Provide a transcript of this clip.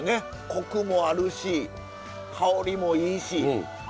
コクもあるし香りもいいし。